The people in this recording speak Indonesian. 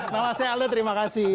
nalasnya aldo terima kasih